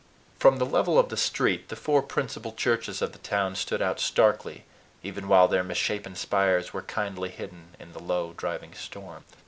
From the level of the street, the four principal churches of the town stood out starkly, even while their misshapen spires were kindly hidden in the low, driving storm.